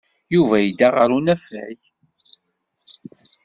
Yuba yedda ɣer unafag.